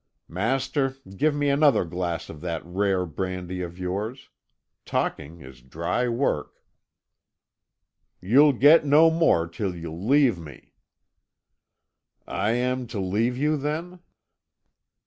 Master, give me another glass of that rare brandy of yours. Talking is dry work." "You'll get no more till you leave me." "I am to leave you, then?"